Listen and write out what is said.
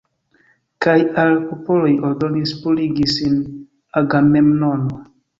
Kaj al popoloj ordonis purigi sin Agamemnono.